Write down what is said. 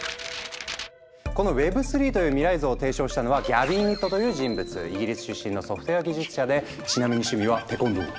このＷｅｂ３という未来像を提唱したのはイギリス出身のソフトウエア技術者でちなみに趣味はテコンドー。